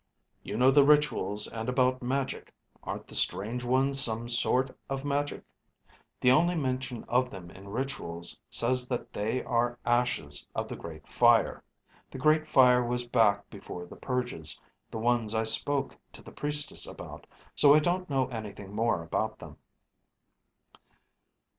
"You know the rituals and about magic. Aren't the Strange Ones some sort of magic?" "The only mention of them in rituals says that they are ashes of the Great Fire. The Great Fire was back before the purges, the ones I spoke to the priestess about, so I don't know anything more about them."